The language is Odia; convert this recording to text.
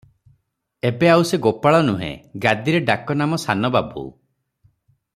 ଏବେ ଆଉ ସେ ଗୋପାଳ ନୁହେଁ, ଗାଦିରେ ଡାକନାମ ସାନ ବାବୁ ।